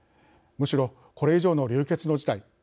むしろ、これ以上の流血の事態